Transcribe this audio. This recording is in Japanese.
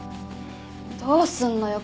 どうすんのよ？